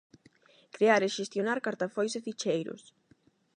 Crear e xestionar cartafois e ficheiros.